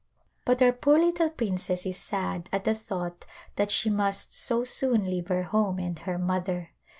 But our poor little princess is sad at the thought that she must so soon leave her home and her mother.